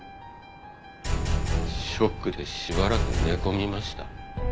ショックでしばらく寝込みました。